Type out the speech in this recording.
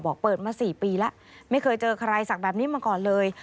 เปิดมา๔ปีแล้วไม่เคยเจอใครสักแบบนี้มาก่อนเลย